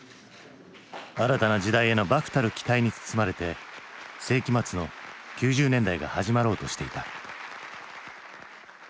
新たな時代への漠たる期待に包まれて世紀末の９０年代が始まろうとしていた。